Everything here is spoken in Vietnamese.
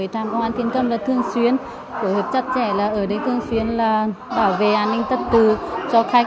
trạm cảnh sát thiên cầm đã chủ động tham mưu cho lãnh đạo đơn vị xây dựng nhiều văn bản về việc phòng ngừa tội phạm